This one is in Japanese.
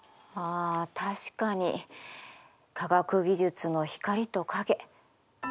あ確かに科学技術の光と影。